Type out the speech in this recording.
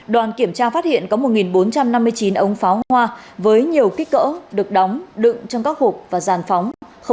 đoàn kiểm tra phát hiện có một bốn trăm năm mươi chín ống pháo hoa với nhiều kích cỡ được đóng đựng trong các hộp và giàn phóng